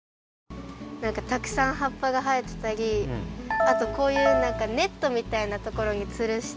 たくさんはっぱがはえてたりあとこういうネットみたいなところにつるして。